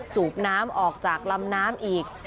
สูบน้ำออกจากลำน้ำอีก